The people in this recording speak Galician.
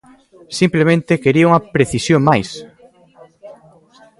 Simplemente quería unha precisión máis.